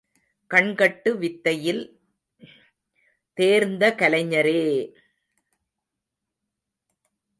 கண்கட்டு வித்தையில் தேர்ந்த கலைஞரே!